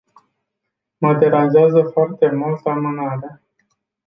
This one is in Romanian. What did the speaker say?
Mă deranjează foarte mult amânarea.